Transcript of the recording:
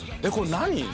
「これ何？